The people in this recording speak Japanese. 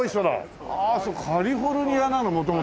ああそうカリフォルニアなの元々。